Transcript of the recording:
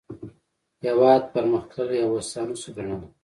هېواد پرمختللی او هوسا نه شو ګڼلای.